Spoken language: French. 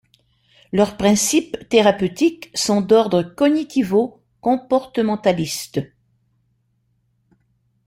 Leurs principes thérapeutiques sont d'ordre cognitivo-comportementalistes.